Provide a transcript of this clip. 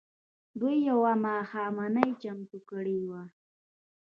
دوی يوه ماښامنۍ چمتو کړې وه.